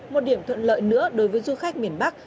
một điểm thuận lợi nữa đối với du khách miền bắc